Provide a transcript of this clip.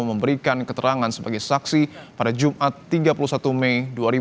memberikan keterangan sebagai saksi pada jumat tiga puluh satu mei dua ribu dua puluh